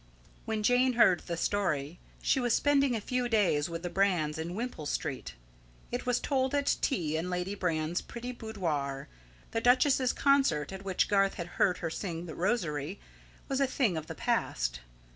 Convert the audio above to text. When Jane heard the story, she was spending a few days with the Brands in Wimpole Street. It was told at tea, in Lady Brand's pretty boudoir. The duchess's Concert, at which Garth had heard her sing THE ROSARY, was a thing of the past.